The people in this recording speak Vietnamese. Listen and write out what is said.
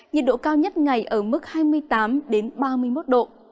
nhiệt độ cao nhất ngày ở mức hai mươi tám ba mươi một độ